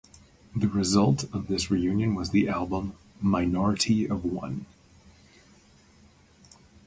The result of this reunion was the album "Minority of One".